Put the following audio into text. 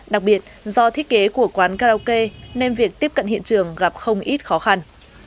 đặc biệt do thiết kế của quán karaoke nên việc tiếp cận hiện trường gặp không ít khó khăn